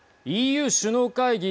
ＥＵ首脳会議